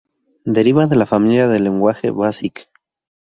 Deriva de la familia de lenguaje Basic.